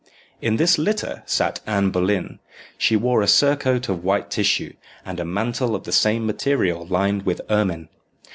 In this litter sat Anne Boleyn. She wore a surcoat of white tissue, and a mantle of the same material lined with ermine.